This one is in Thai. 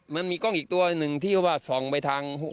มันมีกล้องอีกตัวหนึ่งที่ว่าส่องไปทาง